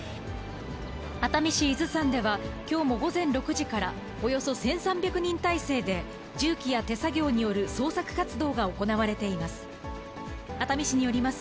熱海市伊豆山では、きょうも午前６時からおよそ１３００人態勢で、重機や手作業による捜索活動が行われています。